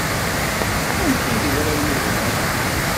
Amek ay yeẓra Yuba aya?